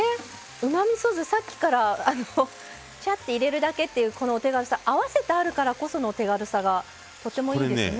うまみそ酢さっきからあのちゃって入れるだけっていうこのお手軽さ合わせてあるからこその手軽さがとてもいいですね。